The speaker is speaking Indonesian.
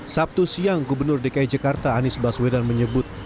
sabtu siang gubernur dki jakarta anies baswedan menyebut